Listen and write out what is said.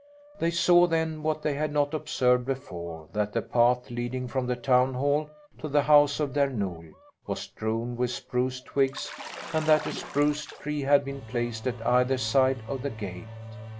They saw then what they had not observed before, that the path leading from the town hall to the house of Där Nol was strewn with spruce twigs and that a spruce tree had been placed at either side of the gate.